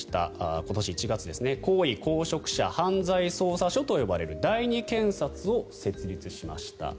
今年１月高位公職者犯罪捜査処と呼ばれる第２検察を設立しました。